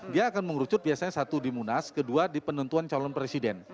dia akan mengerucut biasanya satu di munas kedua di penentuan calon presiden